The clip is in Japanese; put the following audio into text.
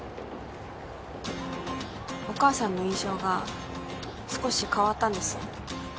お母さんの印象が少し変わったんです